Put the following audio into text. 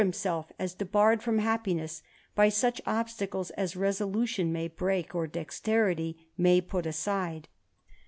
himself as debarred from happiness by such obstacles a resolution may break or dexterity may put aside.